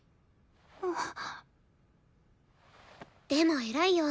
でも偉いよ。